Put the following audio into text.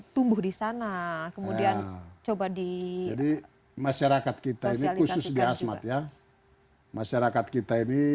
tumbuh di sana kemudian coba di jadi masyarakat kita ini khusus di asmat ya masyarakat kita ini